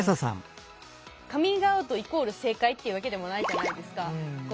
カミングアウトイコール正解っていうわけでもないじゃないですか。